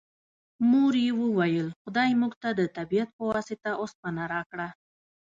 مور یې وویل خدای موږ ته د طبیعت په واسطه اوسپنه راکړه